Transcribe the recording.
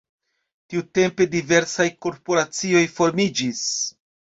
Tiutempe diversaj korporacioj formiĝis.